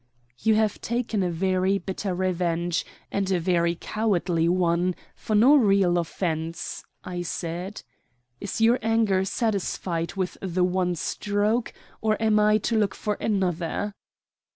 "You have taken a very bitter revenge, and a very cowardly one, for no real offence," I said. "Is your anger satisfied with the one stroke, or am I to look for another?"